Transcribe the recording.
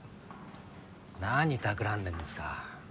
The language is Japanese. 何たくらんでんですか？